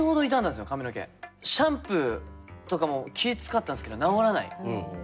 シャンプーとかも気ぃ遣ったんですけど治らない。